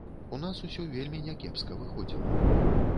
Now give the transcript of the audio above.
У нас усё вельмі някепска выходзіла.